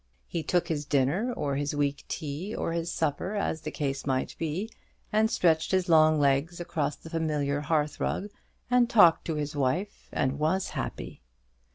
He took his dinner, or his weak tea, or his supper, as the case might be, and stretched his long legs across the familiar hearth rug, and talked to his wife, and was happy.